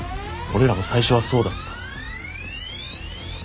俺らも最初はそうだった。